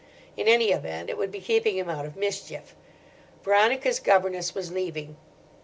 In any event, it would be keeping him out of mischief. Veronica's governess was leaving.